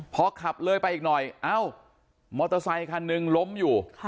พอขับเลยไปอีกหน่อยเอ้ามอเตอร์ไซคันหนึ่งล้มอยู่